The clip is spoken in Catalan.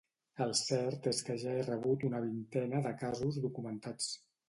El cert és que ja he rebut una vintena de casos documentats.